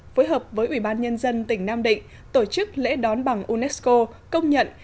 phối hợp với ủy ban nhân dân tỉnh nam định tổ chức lễ đón bằng unesco công nhận